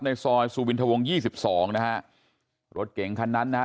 ซอยสุวินทวงยี่สิบสองนะฮะรถเก๋งคันนั้นนะฮะ